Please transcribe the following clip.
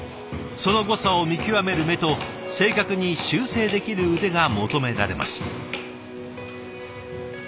その誤差を見極める目と正確に修正できる腕が求められます。